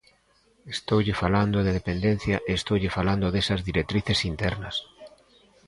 Estoulle falando de dependencia e estoulle falando desas directrices internas.